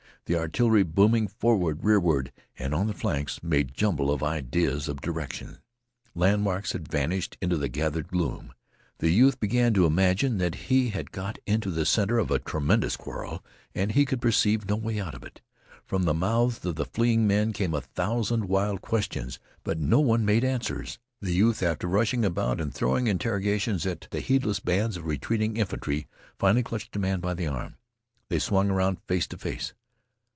The artillery booming, forward, rearward, and on the flanks made jumble of ideas of direction. Landmarks had vanished into the gathered gloom. The youth began to imagine that he had got into the center of the tremendous quarrel, and he could perceive no way out of it. From the mouths of the fleeing men came a thousand wild questions, but no one made answers. The youth, after rushing about and throwing interrogations at the heedless bands of retreating infantry, finally clutched a man by the arm. They swung around face to face.